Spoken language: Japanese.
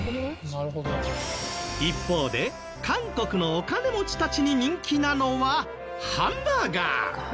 一方で韓国のお金持ちたちに人気なのはハンバーガー。